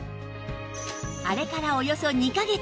あれからおよそ２カ月